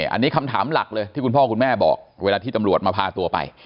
อันนี้คำถามหลักเลยที่คุณพ่อคุณแม่บอกเวลาที่ตำรวจมาพาตัวไป